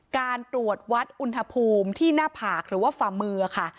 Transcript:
การตรวจวัดอุณหภูมิที่หน้าผากหรือว่าฝ่ามือค่ะ